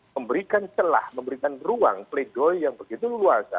memberikan celah memberikan ruang pleidoy yang begitu luar biasa